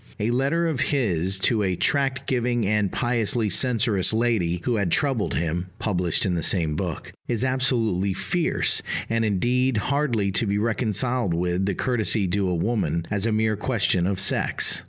A letter of his to a tract giving and piously censorious lady who had troubled him (published in the same book) is absolutely fierce, and indeed hardly to be reconciled with the courtesy due to a woman, as a mere question of sex.